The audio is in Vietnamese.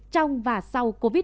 trong và sau covid một mươi chín